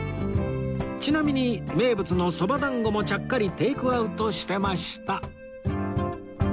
ちなみに名物のそば団子もちゃっかりテイクアウトしてました